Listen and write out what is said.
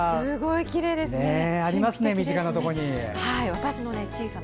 すごいきれいですね。